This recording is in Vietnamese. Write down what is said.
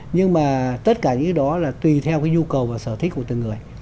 nhưng mà tất cả những cái đó là tùy theo cái nhu cầu và sở thích của từng người